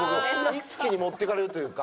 一気に持っていかれるというか。